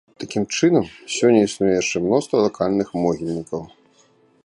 Такім чынам, сёння існуе яшчэ мноства лакальных могільнікаў.